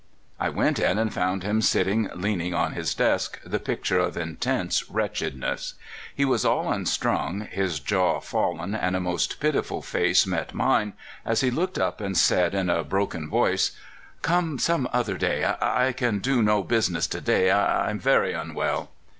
I went in, and found him sitting leaning on his desk, the picture of intense wretchedness. He was all unstrung, his jaw fallen, and a most pitiful face met mine as he looked up and said, in a bro ken voice: "Come some other day — I can do no business to day; I am very unwell."